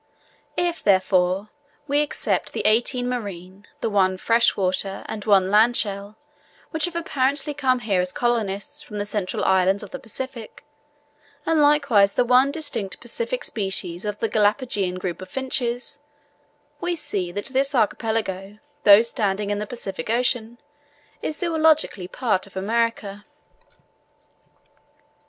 If, therefore, we except the eighteen marine, the one fresh water, and one land shell, which have apparently come here as colonists from the central islands of the Pacific, and likewise the one distinct Pacific species of the Galapageian group of finches, we see that this archipelago, though standing in the Pacific Ocean, is zoologically part of America.